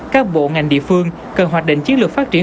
các bộ ngành địa phương cần hoạch định chiến lược phát triển